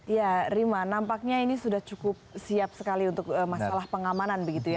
ya rima nampaknya ini sudah cukup siap sekali untuk masalah pengamanan begitu ya